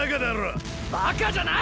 バカじゃない！